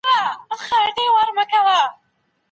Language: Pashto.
تغییر له ځانه پیل کړئ.